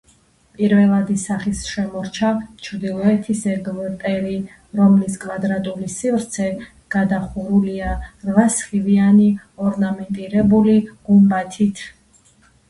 პირვანდელი სახით შემორჩა ჩრდილოეთის ეგვტერი, რომლის კვადრატული სივრცე გადახურულია რვა სხივიანი ორნამენტირებული გუმბათით.